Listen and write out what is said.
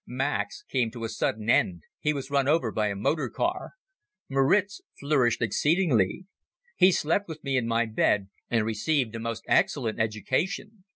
Max came to a sudden end. He was run over by a motor car. Moritz flourished exceedingly. He slept with me in my bed and received a most excellent education.